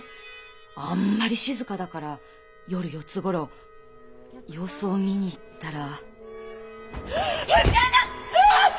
あんまり静かだから夜四つ頃様子を見に行ったら。